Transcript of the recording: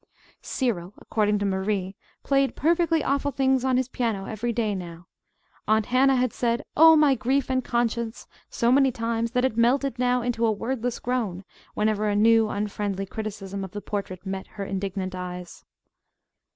Cyril, according to Marie, played "perfectly awful things on his piano every day, now." Aunt Hannah had said "Oh, my grief and conscience!" so many times that it melted now into a wordless groan whenever a new unfriendly criticism of the portrait met her indignant eyes.